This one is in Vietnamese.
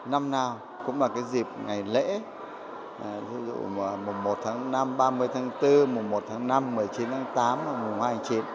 năm nào cũng là cái dịp ngày lễ thí dụ mùa một tháng năm ba mươi tháng bốn mùa một tháng năm một mươi chín tháng tám mùa hai hai mươi chín